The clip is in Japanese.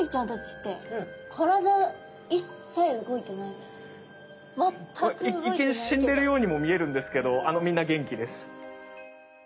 一見しんでるようにも見えるんですけどみんな元気です。